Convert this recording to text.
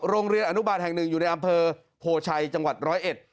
โรงเรียนอนุบาลแห่งหนึ่งอยู่ในอำเภอโพชัยจังหวัดร้อยเอ็ด